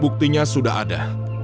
buktinya sudah ada